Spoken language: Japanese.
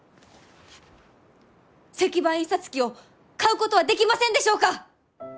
石版印刷機を買うことはできませんでしょうか？